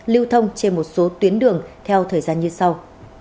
lưu thông trên một số tuyến đường theo thời gian như sau